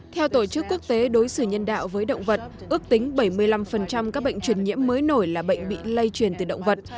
theo tổ chức quốc tế đối xử nhân đạo với động vật ước tính bảy mươi năm các bệnh truyền nhiễm mới nổi là bệnh bị lây truyền từ động vật